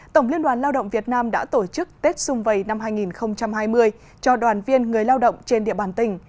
tổng liên đoàn lao động việt nam đã tổ chức tết xung vầy năm hai nghìn hai mươi cho đoàn viên người lao động trên địa bàn tỉnh